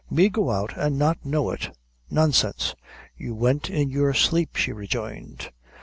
Me go out, an' not know it! Nonsense!" "You went in your sleep, she rejoined.